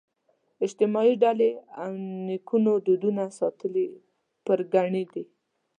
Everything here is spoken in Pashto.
اجتماعي ډلې او نیکونو دودونو ساتلو پرګنې دي